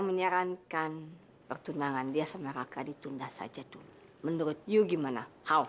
menyarankan pertunangan dia sama raka ditunda saja dulu menurut yo gimana hal